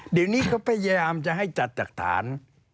เดี๋ยวนี้เขาพยายามจะให้จัดจากฐาน